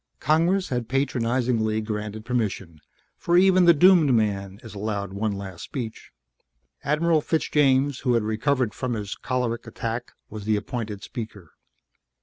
Congress had patronizingly granted permission, for even the doomed man is allowed one last speech. Admiral Fitzjames, who had recovered from his choleric attack, was the appointed speaker.